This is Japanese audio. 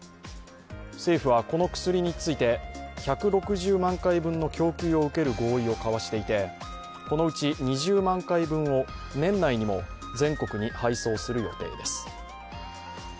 政府はこの薬について１６０万回分の供給を受ける合意を交わしていて、このうち２０万回分を年内にも全国に配送する予定です。